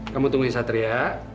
kamu tungguin satria